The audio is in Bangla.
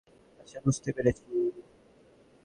আচ্ছা, বুঝতে পেরেছি।